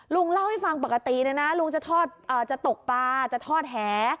ลุงเล่าให้ฟังปกติลุงจะตกปลาจะทอดแห